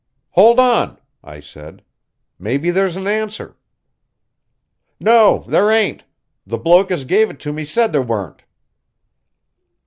"Hold on," I said. "Maybe there's an answer." "No, there ain't. The bloke as gave it to me said there weren't."